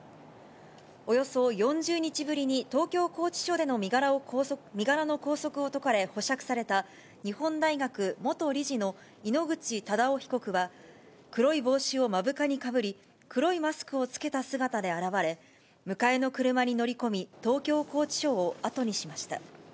およそ４０日ぶりに東京拘置所での身柄の拘束を解かれ、保釈された日本大学元理事の井ノ口忠男被告は、黒い帽子を目深にかぶり、黒いマスクを着けた姿で現れ、迎えの車に乗り込み、東京拘置所を後にしました。